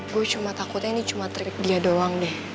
gue cuma takutnya ini cuma trik dia doang deh